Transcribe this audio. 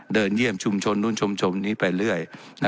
เยี่ยมชุมชนนู้นชุมชนนี้ไปเรื่อย